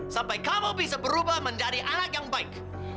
sampai kamu bisa berubah menjadi anak yang baik